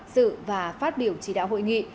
dự và phát biểu chỉ đạo hội nghị